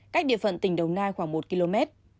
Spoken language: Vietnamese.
cách địa phận tỉnh đồng nai khoảng một km